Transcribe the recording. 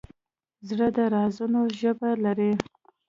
زړه د رازونو ژبه لري.